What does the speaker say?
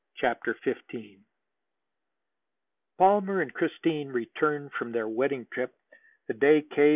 CHAPTER XV Palmer and Christine returned from their wedding trip the day K.